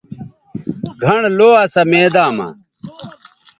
گھنڑ لو اسا میداں مہ